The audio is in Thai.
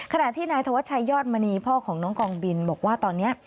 ขณะที่นายธวัชชัยยอดมณีพ่อของน้องกองบินบอกว่าตอนนี้